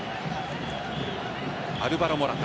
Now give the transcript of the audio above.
アルヴァロ・モラタ。